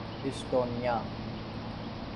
Estonia